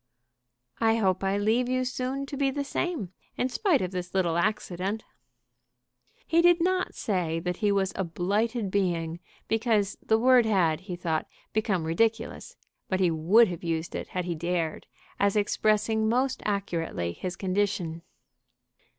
"I hope I leave you soon to be the same, in spite of this little accident." He did not say that he was a blighted being, because the word had, he thought, become ridiculous; but he would have used it had he dared, as expressing most accurately his condition.